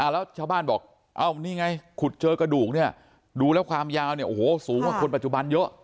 แล้วชาวบ้านบอกเอ้านี่ไงขุดเจอกระดูกเนี่ยดูแล้วความยาวเนี่ยโอ้โหสูงกว่าคนปัจจุบันเยอะ